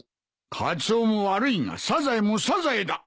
カツオも悪いがサザエもサザエだ。